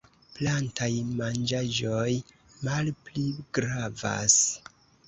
Plantaj manĝaĵoj malpli gravas.